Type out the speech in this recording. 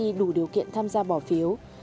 cỷ tri đủ điều kiện tham gia bỏ phiếu